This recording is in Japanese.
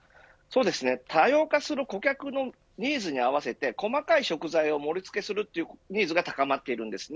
多様化する顧客のニーズに合わせて細かい食材を盛り付けするというニーズが高まっているんです。